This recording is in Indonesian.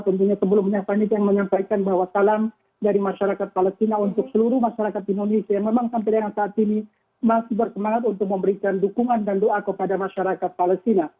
tentunya sebelumnya panitia menyampaikan bahwa salam dari masyarakat palestina untuk seluruh masyarakat indonesia yang memang sampai dengan saat ini masih bersemangat untuk memberikan dukungan dan doa kepada masyarakat palestina